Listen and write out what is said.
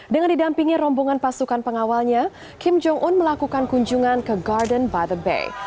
dengan didampingi rombongan pasukan pengawalnya kim jong un melakukan kunjungan ke garden botto bay